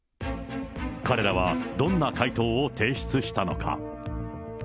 彼らはどんな回答を提出したのか。